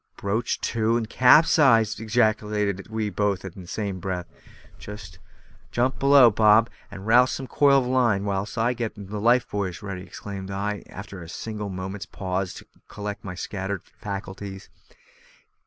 "Broached to, and capsized!" ejaculated we both in the same breath. "Jump below, Bob, and rouse up a coil of line, whilst I get the life buoys ready," exclaimed I, after a single moment's pause to collect my scattered faculties.